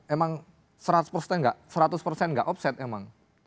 emang seratus enggak seratus enggak offset emang